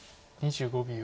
２５秒。